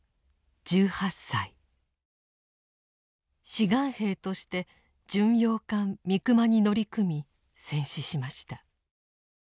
志願兵として巡洋艦「三隈」に乗り組み戦死しました。